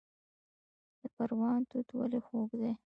د پروان توت ولې خوږ دي؟